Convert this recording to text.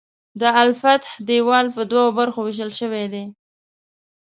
د الفتح دیوال په دوو برخو ویشل شوی دی.